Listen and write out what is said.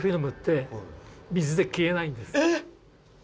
えっ！？